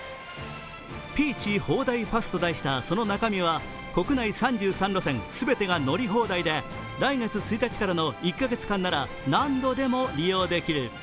Ｐｅａｃｈホーダイパスと題したその中身は国内３３路線、全てが乗り放題で来月１日からの１カ月間なら何度でも利用できる。